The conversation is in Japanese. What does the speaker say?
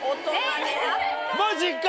マジか！